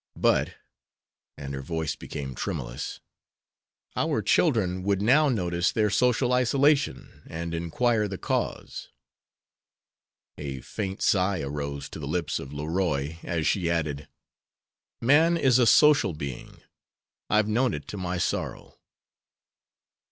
But," and her voice became tremulous, "our children would now notice their social isolation and inquire the cause." A faint sigh arose to the lips of Leroy, as she added: "Man is a social being; I've known it to my sorrow."